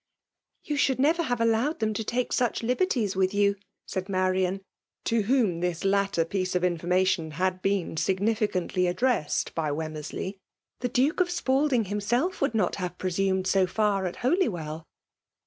''*' You should never have allowed them to take such liberties with you," said Marian, to whom this latter piece of information had been significantly addressed by Wemmersley ;" the Duke of Spalding himself would not have presumed so far at Holywell."